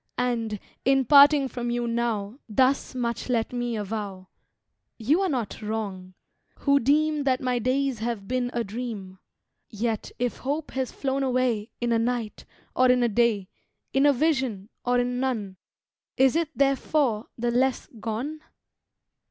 And, in parting from you now, Thus much let me avow You are not wrong, who deem That my days have been a dream; Yet if hope has flown away In a night, or in a day, In a vision, or in none, Is it therefore the less _gone?